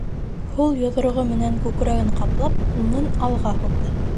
Һул йоҙроғо менән күкрәген ҡаплап, уңын алға һуҙҙы.